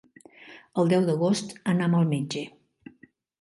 El deu d'agost anam al metge.